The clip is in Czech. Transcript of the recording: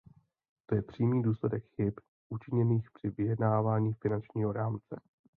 To je přímým důsledkem chyb učiněných při vyjednávání finančního rámce.